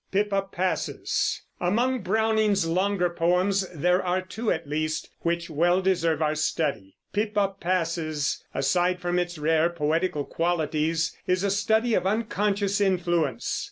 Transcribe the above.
[Pippa Passes] Among Browning's longer poems there are two, at least, that well deserve our study. Pippa Passes, aside from its rare poetical qualities, is a study of unconscious influence.